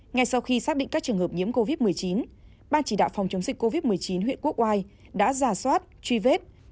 ngay sau khi xác định các trường hợp nhiễm covid một mươi chín ban chỉ đạo phòng chống dịch covid một mươi chín huyện quốc oai đã giả soát truy vết